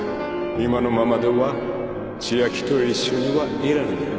今のままでは千秋と一緒にはいられない。